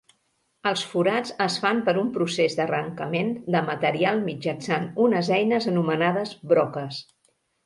Els forats es fan per un procés d'arrencament de material mitjançant unes eines anomenades broques.